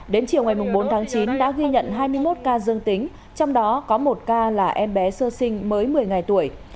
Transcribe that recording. đến chiều ngày bốn tháng chín đã ghi nhận hai mươi một ca dương tính trong đó có một ca là em bé sơ sinh mới một mươi ngày tuổi